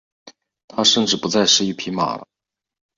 他甚至不再是一匹马了。